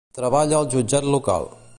Treballa al jutjat local.